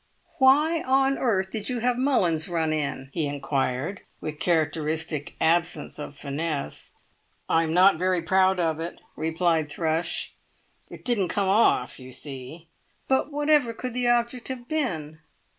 "Why on earth did you have Mullins run in?" he inquired, with characteristic absence of finesse. "I'm not very proud of it," replied Thrush. "It didn't come off, you see." "But whatever could the object have been?"